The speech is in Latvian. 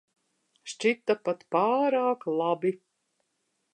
Šķita pat pārāk labi.